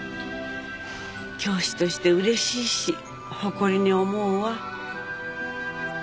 教師としてうれしいし誇りに思うわ。